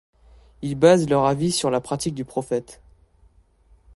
Ils basent leur avis sur la pratique du Prophète.